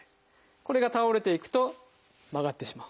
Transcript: これが倒れていくと曲がってしまう。